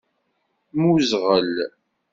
Mmuẓɣel.